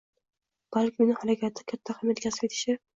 balki uning harakati katta ahamiyat kasb etishi